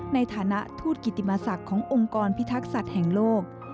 ในฐานะทูตกิติมศักดิ์ขององค์กรพิทักษัตริย์แห่งโลก